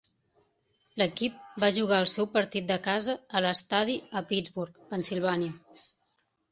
L'equip va jugar el seu partit de casa a l'estadi a Pittsburgh, Pennsilvània.